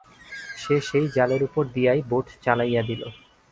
সে সেই জালের উপর দিয়াই বোট চালাইয়া দিল।